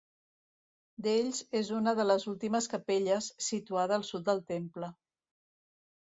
D'ell és una de les últimes capelles, situada al sud del temple.